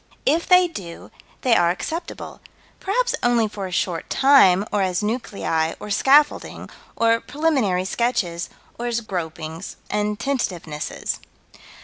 If they do, they are acceptable, perhaps only for a short time, or as nuclei, or scaffolding, or preliminary sketches, or as gropings and tentativenesses.